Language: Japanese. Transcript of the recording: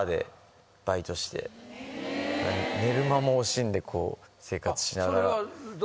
寝る間も惜しんで生活しながら。